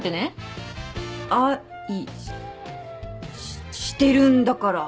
愛ししっしてるんだから